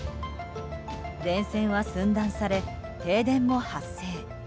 電線は寸断され停電も発生。